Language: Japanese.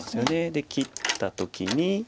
で切った時に。